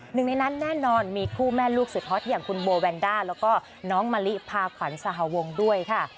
หนึ่งในนั้นแน่นอนมีคู่แม่ลูกสุดฮอตอย่างคุณโบแวนด้าแล้วก็น้องมะลิพาขวัญสหวงด้วยค่ะ